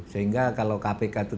sehingga kalau kpk itu